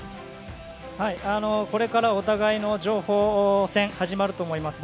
これからお互いの情報戦が始まると思います。